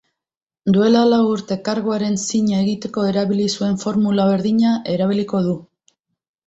Duela lau urte karguaren zina egiteko erabili zuen formula berdina erabiliko du.